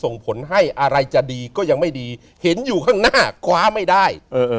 ส่งผลให้อะไรจะดีก็ยังไม่ดีเห็นอยู่ข้างหน้าคว้าไม่ได้